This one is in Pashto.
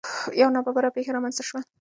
یو نا ببره پېښه رامنځ ته شوه.